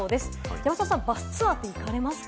山里さん、バスツアーで行かれますか？